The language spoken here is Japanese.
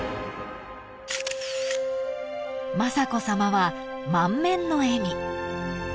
［雅子さまは満面の笑み］